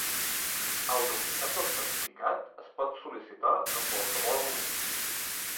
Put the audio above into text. El duplicat del certificat es pot sol·licitar en qualsevol moment.